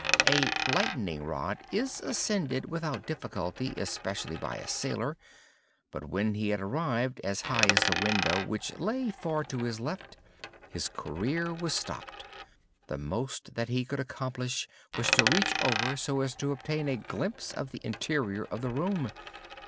A lightning rod is ascended without difficulty, especially by a sailor; but, when he had arrived as high as the window, which lay far to his left, his career was stopped; the most that he could accomplish was to reach over so as to obtain a glimpse of the interior of the room.